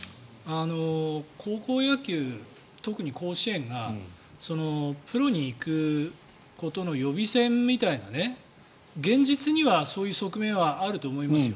高校野球、特に甲子園がプロに行くことの予備選みたいな現実にはそういう側面はあると思いますよ。